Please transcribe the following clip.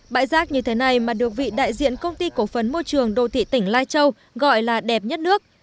bãi rác như thế này mà được vị đại diện công ty cổ phấn môi trường đô thị tỉnh lai châu gọi là đẹp nhất nước